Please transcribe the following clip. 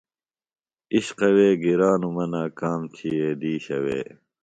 عشقوے گرانوۡ مہ ناکام تھیئے دیشہ وے۔